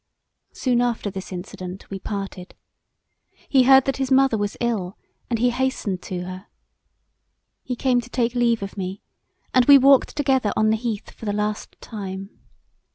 Soon after this incident we parted. He heard that his mother was ill, and he hastened to her. He came to take leave of me, and we walked together on the heath for the last time.